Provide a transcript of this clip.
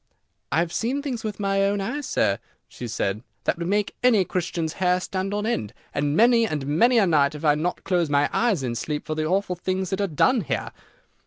"I have seen things with my own eyes, sir," she said, "that would make any Christian's hair stand on end, and many and many a night I have not closed my eyes in sleep for the awful things that are done here."